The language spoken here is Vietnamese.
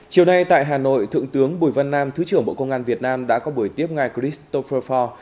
chiều nay tại hà nội thượng tướng bùi văn nam thứ trưởng bộ công an việt nam đã có buổi tiếp ngài christopher for